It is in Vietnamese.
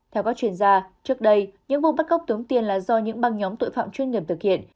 theo các chuyên gia trước đây những vụ bắt cóc tống tiền là do những băng nhóm tội phạm chuyên nhầm thực hiện